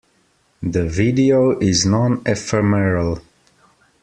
The video is non-ephemeral.